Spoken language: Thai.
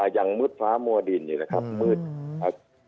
อย่างมืดฟ้ามัวดินอยู่นะครับมืด